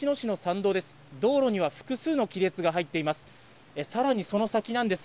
道路には複数の亀裂が入っています。